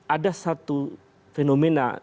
ada satu fenomena